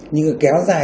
nhưng mà kéo dài